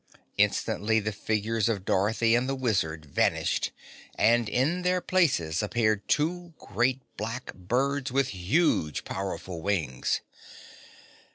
Instantly the figures of Dorothy and the Wizard vanished and in their places appeared two great, black birds with huge, powerful wings.